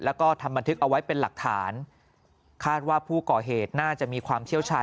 แล้วก็ทำบันทึกเอาไว้เป็นหลักฐานคาดว่าผู้ก่อเหตุน่าจะมีความเชี่ยวชาญ